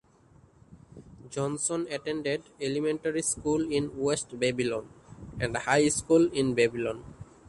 Johnson attended elementary school in West Babylon and high school in Babylon.